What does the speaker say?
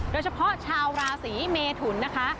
โดยเฉพาะชาวราศีเมทุนนะคะ